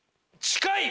近い？